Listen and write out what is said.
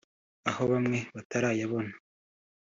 aho bamwe batarayabona